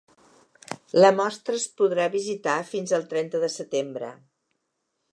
La mostra es podrà visitar fins el trenta de setembre.